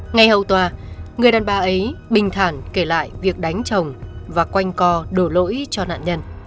ngày hầu tòa người đàn bà ấy bình thản kể lại việc đánh chồng và quanh co đổ lỗi cho nạn nhân